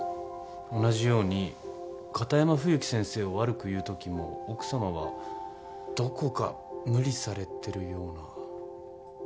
同じように片山冬樹先生を悪く言うときも奥様はどこか無理されてるような。